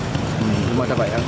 belum ada apa ya